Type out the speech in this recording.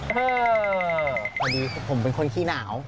พอดีผมเป็นคนขี้หนาว